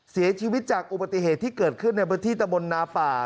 เสียชีวิตจากอุบัติเหตุที่เกิดขึ้นในพื้นที่ตะบนนาป่า